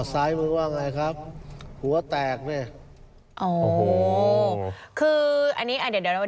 ซ้ายมือว่าไงครับหัวแตกนี่โอ้โหคืออันนี้อ่ะเดี๋ยวเดี๋ยว